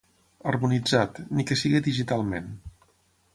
Harmonitzat, ni que sigui digitalment.